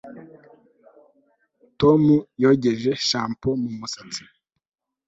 Tom yogeje shampoo mu musatsi